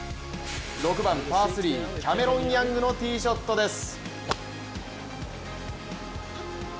６番パー３、キャメロン・ヤングのティーショットです。